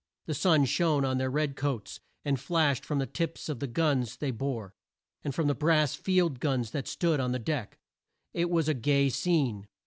The sun shone on their red coats, and flashed from the tips of the guns they bore, and from the brass field guns that stood on the deck. It was a gay scene.